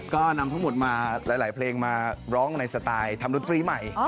ก็นำทั้งหมดมาหลายเพลงมาร้องในสไตล์ทำดนตรีใหม่